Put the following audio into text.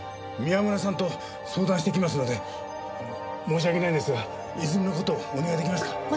宮村さんと相談してきますので申し訳ないんですが泉の事をお願い出来ますか？